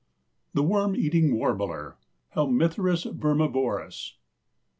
THE WORM EATING WARBLER. (_Helmitherus vermivorus.